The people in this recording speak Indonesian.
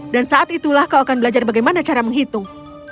dan saat itulah kau akan belajar bagaimana cara menghitung